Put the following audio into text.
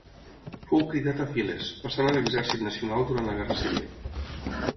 Fou cridat a files, passant a l'exèrcit nacional durant la Guerra Civil.